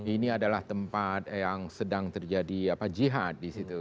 ini adalah tempat yang sedang terjadi jihad disitu